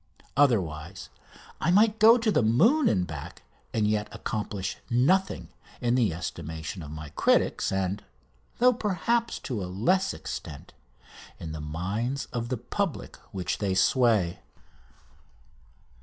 Otherwise I might go to the moon and back and yet accomplish nothing in the estimation of my critics and though, perhaps, to a less extent in the mind of the public which they sway.